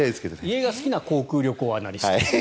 家が好きな航空・旅行アナリスト。